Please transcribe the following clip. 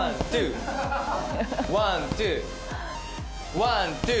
ワン・ツー！